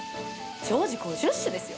常時５０種ですよ。